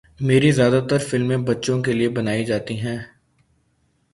میری زیادہ تر فلمیں بچوں کیلئے بنائی جاتی ہیں